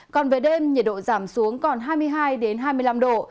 còn về đêm nhiệt độ giảm xuống còn hai mươi hai hai mươi năm độ